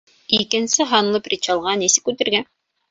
Икенсе һанлы причалға нисек үтергә?